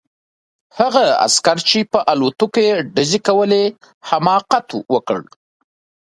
هغه عسکر چې په الوتکو یې ډزې کولې حماقت وکړ